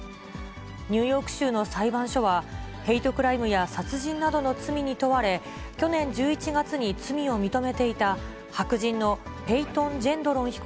ニューヨーク州の裁判所は、ヘイトクライムや殺人などの罪に問われ、去年１１月に罪を認めていた白人のペイトン・ジェンドロン被告